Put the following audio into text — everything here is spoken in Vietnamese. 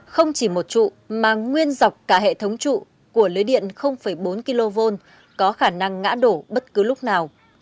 không chỉ một trụ mà nguyên dọc cả hệ thống trụ của lưới điện bốn kv có khả năng ngã đổ bất cứ lúc nào